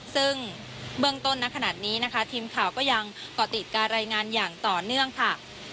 ซึ่งเบื้องต้นนะขนาดนี้นะคะทีมข่าวก็ยังก่อติดการรายงานอย่างต่อเนื่องค่ะ